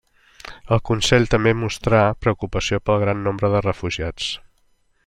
El Consell també mostrà preocupació pel gran nombre de refugiats.